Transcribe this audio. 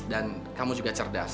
dan kamu juga cerdas